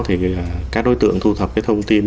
thì các đối tượng thu thập thông tin